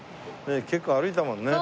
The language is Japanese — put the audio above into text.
結構歩いたもんね。